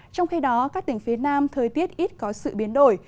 trong khi đó các tỉnh phía nam thời tiết ít có sự biến đổi